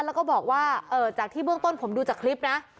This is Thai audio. แล้วก็บอกว่าจากที่เบื้องต้นผมดูจากคลิปนะ